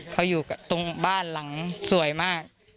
เขาอยู่ตรงบ้านหลังสวยมาก